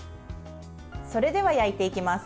それでは焼いていきます。